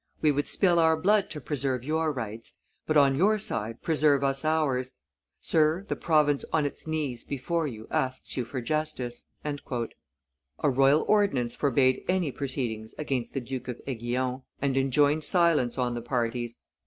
We would spill our blood to preserve your rights; but, on your side, preserve us ours. Sir, the province on its knees before you asks you for justice." A royal ordinance forbade any proceedings against the Duke of Aiguillon, and enjoined silence on the parties.